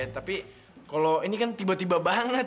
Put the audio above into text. tapi kalau ini kan tiba tiba banget